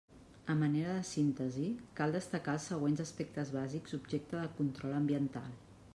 A manera de síntesi, cal destacar els següents aspectes bàsics objecte de control ambiental.